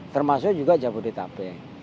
termasuk juga jabodetabek